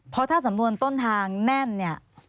เพราะถ้าสำนวนต้นทางแน่นเนี่ย